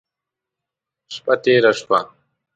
شپه تېره شوه.